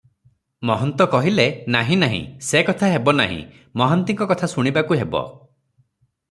ମହନ୍ତ କହିଲେ, "ନାହିଁ ନାହିଁ, ସେ କଥା ହେବ ନାହିଁ, ମହାନ୍ତିଙ୍କ କଥା ଶୁଣିବାକୁ ହେବ ।"